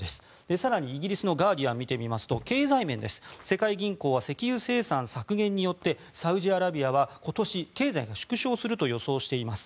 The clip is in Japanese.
更に、イギリスのガーディアンを見てみますと経済面です世界銀行は石油生産削減によってサウジアラビアは今年経済が縮小すると予想しています。